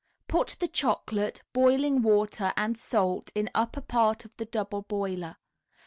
Put the chocolate, boiling water and salt in upper part of the double boiler.